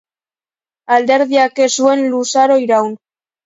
Alderdiak ez zuen luzaro iraun.